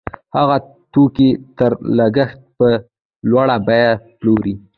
هغه توکي تر لګښت په لوړه بیه پلوري